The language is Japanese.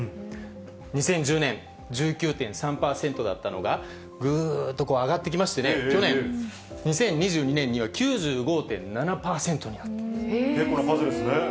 ２０１０年、１９．３％だったのが、ぐーっと、こう上がってきましてね、去年・２０２２年には９５．７％になったんです。ですね。